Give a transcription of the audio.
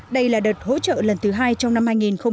đây là đợt hỗ trợ lần thứ hai trong năm hai nghìn một mươi tám